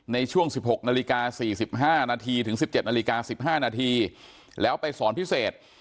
ในช่วง๑๖นาฬิกา๔๕นาทีถึง๑๗นาฬิกา๑๕นาทีแล้วไปสอนพิเศษ